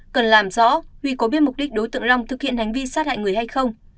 cần làm rõ huy có biết mục đích đối tượng long thực hiện hành vi sát hại người hay không